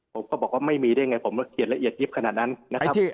ผมก็บอกว่าไม่มีได้ไงผมเขียนละเอียดยิบขนาดนั้นนะครับ